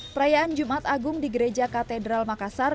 perayaan jumat agung di gereja katedral makassar